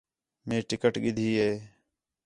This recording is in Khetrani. مئے ٹِکٹ گِدھی ہِے